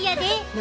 何？